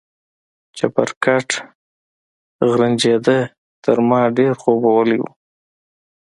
چپرکټ غرنجېده، تر ما ډېر خوبولی و.